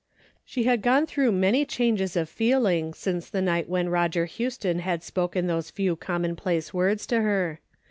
She had gone through many changes of feeling since the night when Roger Houston had spoken those few commonplace words to her.